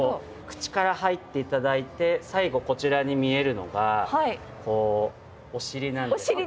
口から入って頂いて最後こちらに見えるのがお尻なんです。